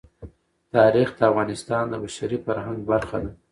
تاریخ د افغانستان د بشري فرهنګ برخه ده.